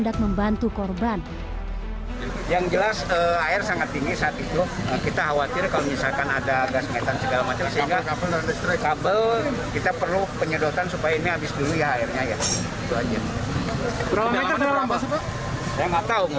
jadi total korban lima orang